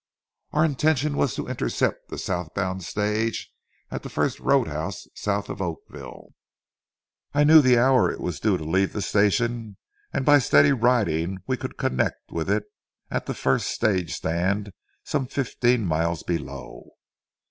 Our intention was to intercept the south bound stage at the first road house south of Oakville. I knew the hour it was due to leave the station, and by steady riding we could connect with it at the first stage stand some fifteen miles below.